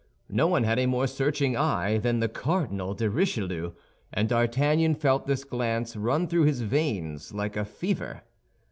No one had a more searching eye than the Cardinal de Richelieu, and D'Artagnan felt this glance run through his veins like a fever.